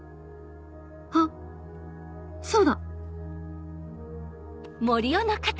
あっそうだ！